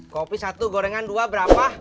kopi satu gorengan dua berapa